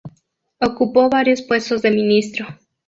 Ocupó varios puestos de ministro.